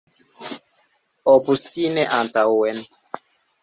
Obstine antaŭen!